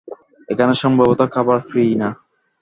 এখানে সম্ভবত খাবার ফ্রী না।